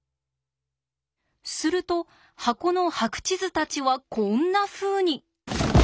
すると箱の白地図たちはこんなふうに。